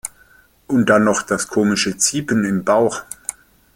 Und dann noch das komische ziepen im Bauch.